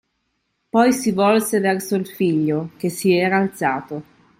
Poi si volse verso il figlio, che si era alzato.